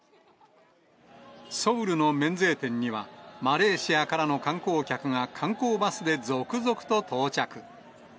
ソウルの免税店には、マレーシアからの観光客が観光バスで続々と到着。